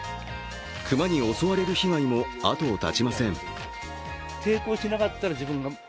熊に襲われる被害もあとを絶ちません。